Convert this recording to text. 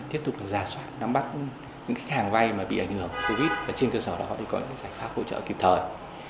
tiếp tục là giả soát nắm bắt những khách hàng vay bị ảnh hưởng covid một mươi chín và trên cơ sở đó có những giải pháp hỗ trợ kịp thời